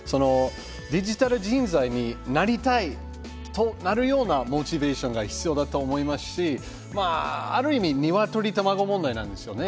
デジタル人材になりたい！と、なるようなモチベーションが必要だと思いますしある意味ニワトリ卵問題なんですよね。